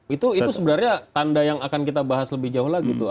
itu sebenarnya tanda yang akan kita bahas lebih jauh lagi tuh